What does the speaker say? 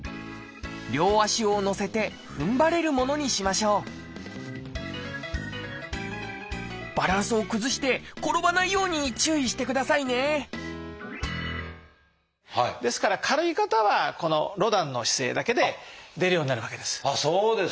両足を乗せてふんばれるものにしましょうバランスを崩して転ばないように注意してくださいねですから軽い方はこのロダンの姿勢だけで出るようになるわけです。